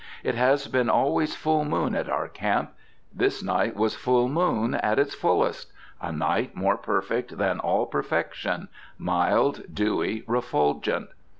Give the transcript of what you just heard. It has been always full moon at our camp. This night was full moon at its fullest, a night more perfect than all perfection, mild, dewy, refulgent.